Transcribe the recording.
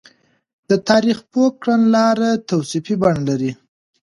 د تاريخ پوه کړنلاره توصيفي بڼه لري.